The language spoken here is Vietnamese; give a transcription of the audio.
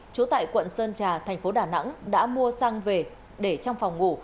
chú tại quận sơn trà thành phố đà nẵng đã mua sang về để trong phòng ngủ